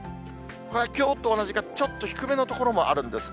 これはきょうと同じか、ちょっと低めの所もあるんですね。